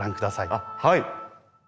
あっはい！